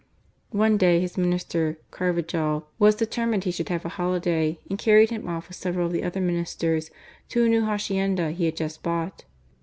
One day his Minister, Carvajal, was determined he should have a holiday, and carried him off with several of the other Ministers, to a new hacienda he had just bought.